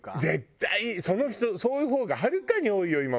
絶対そういう方がはるかに多いよ